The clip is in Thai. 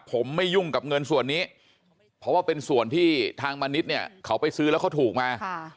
ผมไม่ยุ่งกับเงินส่วนนี้เพราะว่าเป็นส่วนที่ทางมณิษฐ์เนี่ยเขาไปซื้อแล้วเขาถูกมา